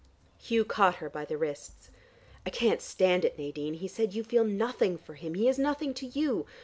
Hugh caught her by the wrists. "I can't stand it, Nadine," he said. "You feel nothing for him. He is nothing to you.